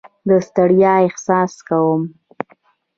د ستړیا احساس کوم.